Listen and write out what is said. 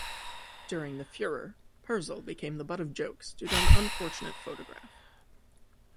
During the furor, Perzel became the butt of jokes due to an unfortunate photograph.